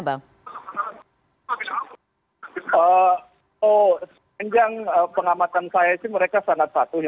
sebenarnya pengamatan saya mereka sangat patuh